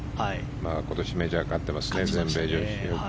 今年メジャーで勝ってます。